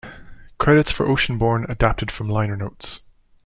Credits for "Oceanborn" adapted from liner notes.